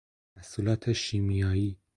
محصولات شیمیائی